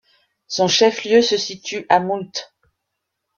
Son chef-lieu se situe à Moult.